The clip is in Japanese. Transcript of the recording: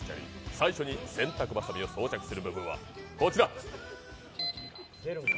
最初に洗濯バサミを装着する部分はこちら。